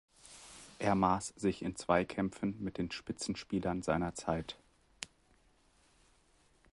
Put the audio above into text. Er maß sich in Zweikämpfen mit den Spitzenspielern seiner Zeit.